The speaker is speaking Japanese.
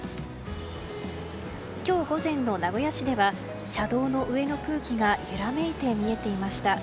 今日午前の名古屋市では車道の上の空気が揺らめいて見えていました。